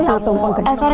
itu yang tumpang kecil